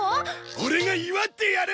オレが祝ってやる！